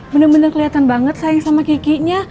bener bener keliatan banget sayang sama kikinya